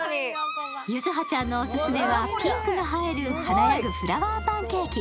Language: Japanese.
柚葉ちゃんのオススメはピンクが映える華やぐフラワーパンケーキ。